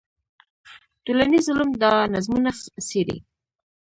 ټولنیز علوم دا نظمونه څېړي.